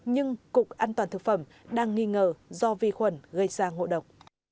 nhưng cục an toàn thực phẩm đang nghi ngờ do vi khuẩn gây ra ngộ độc